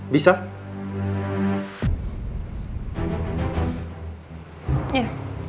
bisa aku blok ya